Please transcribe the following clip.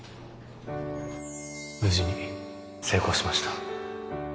無事に成功しました